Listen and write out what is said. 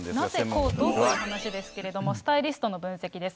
なぜコートという話ですけど、スタイリストの分析です。